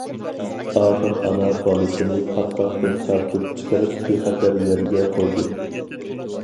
ئاخىرى، ئانا بالىسىنى پاتقاقتىن تارتىپ چىقىرىپ، بىخەتەر يەرگە قويدى.